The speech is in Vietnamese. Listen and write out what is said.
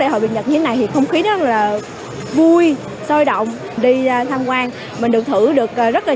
khuôn khôi như thế này thì không khí rất là vui sôi động đi tham quan mình được thử được rất là